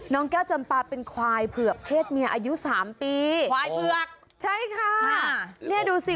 น้องแก้วจำปลาเป็นควายเผือกเพศเมียอายุ๓ปี